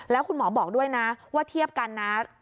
แล้วคุณหมอบอกด้วยนะว่าเทียบกันนะ